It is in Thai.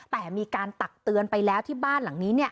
แต่มีการตักเตือนไปแล้วที่บ้านหลังนี้